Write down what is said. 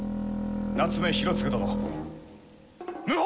夏目広次殿謀反！